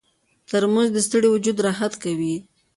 ترموز د ستړي وجود راحت کوي.